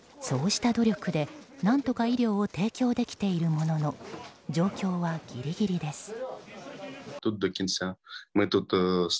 そうした努力で何とか医療を提供できているものの状況はギリギリです。